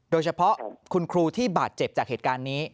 โดยเฉพาะคุณครูที่บาดเจ็บจากเหตุการณ์นี้